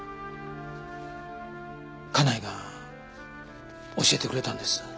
家内が教えてくれたんです。